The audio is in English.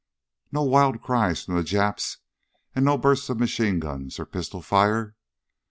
No wild cries from the Japs, and no bursts of machine gun or pistol fire?